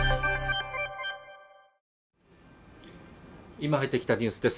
今出てきたニュースです